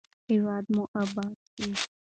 هیواد مو اباد شي.